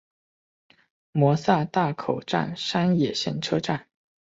萨摩大口站山野线车站。